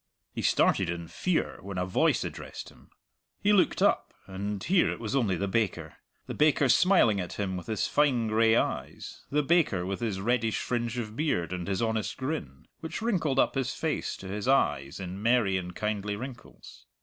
He started in fear when a voice addressed him. He looked up, and here it was only the baker the baker smiling at him with his fine gray eyes, the baker with his reddish fringe of beard and his honest grin, which wrinkled up his face to his eyes in merry and kindly wrinkles.